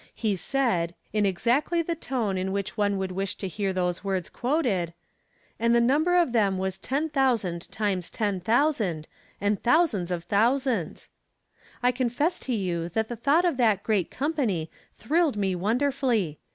He said, in ex actly the tone in which one would wish to hear those words quoted :" And the number of them was tfen thousand times ten thousand, and thou sands of thousands." I confess to you that the thought of that great company thrilled me won derfully.